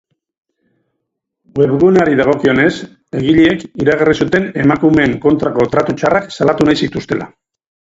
Webguneari dagokionez, egileek iragarri zuten emakumeen kontrako tratu txarrak salatu nahi zituztela.